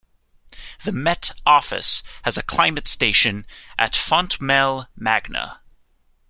The Met Office has a climate station at Fontmell Magna.